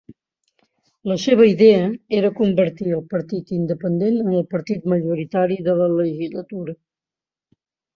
La seva idea era convertir el Partit Independent en el partit majoritari de la legislatura.